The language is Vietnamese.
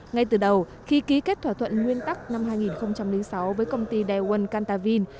ngay từ đầu khi ký kết thỏa thuận nguyên tắc năm hai nghìn sáu với công ty daewon cantavin